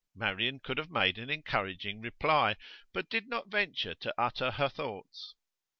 Marian could have made an encouraging reply, but did not venture to utter her thoughts.